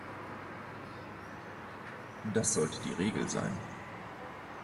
Das sollte die Regel sein.